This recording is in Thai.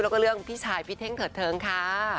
แล้วก็เรื่องพี่ชายพี่เท่งเถิดเทิงค่ะ